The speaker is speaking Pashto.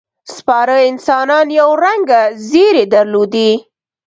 سپاره انسانان یو رنګه ځېرې درلودې.